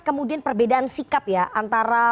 kemudian perbedaan sikap ya antara